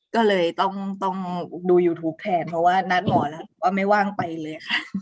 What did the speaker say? ก็เลยต้องดูยูทูปแทนเพราะว่านัดหมอแล้วว่าไม่ว่างไปเลยค่ะ